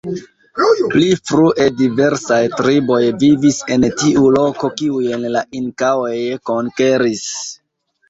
Pli frue diversaj triboj vivis en tiu loko, kiujn la inkaoj konkeris.